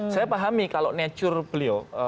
saya pahami kalau nature beliau